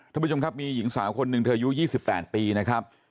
ทุกผู้ชมครับมีหญิงสาวคนนึงเธอยูทร์๒๘ปีนะครับ